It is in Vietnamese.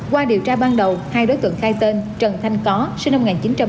qua điều tra ban đầu hai đối tượng khai tên trần thanh có sinh năm một nghìn chín trăm tám mươi